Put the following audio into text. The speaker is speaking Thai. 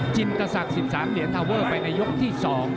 จินกษัก๑๓เดี๋ยวทาเวอร์ไปในยกที่๒